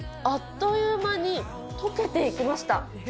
あっという間に溶けていきました。